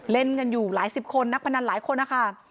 เล่นกันอยู่หลายสิบคนนักพนันหลายคนนะคะ